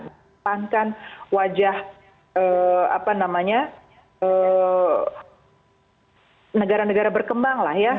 mengedepankan wajah negara negara berkembang lah ya